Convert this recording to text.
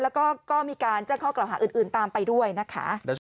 แล้วก็มีการแจ้งข้อกล่าวหาอื่นตามไปด้วยนะคะ